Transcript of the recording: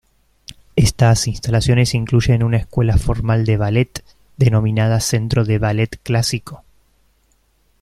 Estas instalaciones incluyen una escuela formal de ballet, denominada centro de ballet clásico.